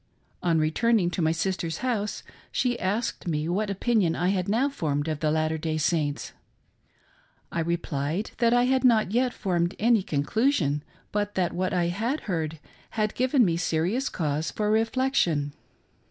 On returning to my sister's house she asked me what opinion I had now formed of the Latter day Saints. I replied that I had not yet formed any conclusion, but that what I had heard had given me serious cause for reflection.